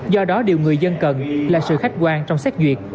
do đó điều người dân cần là sự khách quan trong xét duyệt